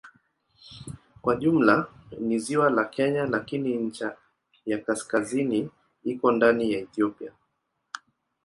Kwa jumla ni ziwa la Kenya lakini ncha ya kaskazini iko ndani ya Ethiopia.